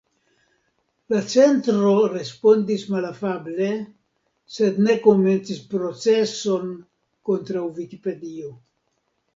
La centro respondis malafable sed ne komencis proceson kontraŭ Vikipedio